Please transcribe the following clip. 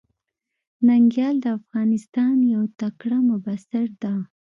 ننګيال د افغانستان يو تکړه مبصر ده.